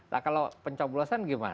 nah kalau pencoblosan gimana